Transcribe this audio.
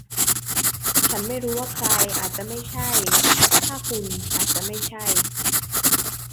ฉันไม่รู้ว่าใครอาจจะไม่ใช่ ถ้าคุณอาจจะไม่ใช่